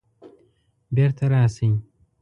بیرته راشئ